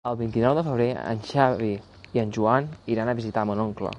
El vint-i-nou de febrer en Xavi i en Joan iran a visitar mon oncle.